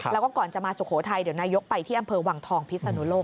แล้วก็ก่อนจะมาสุโขทัยเดี๋ยวนายกไปที่อำเภอวังทองพิศนุโลก